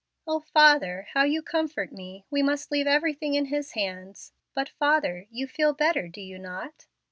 "O father, how you comfort me! We must leave everything in His hands. But, father, you feel better, do you not?"